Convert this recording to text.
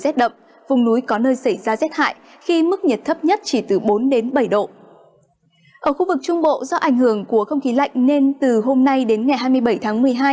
ở khu vực trung bộ do ảnh hưởng của không khí lạnh nên từ hôm nay đến ngày hai mươi bảy tháng một mươi hai